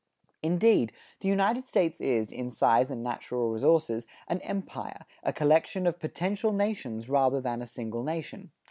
Indeed, the United States is, in size and natural resources, an empire, a collection of potential nations, rather than a single nation.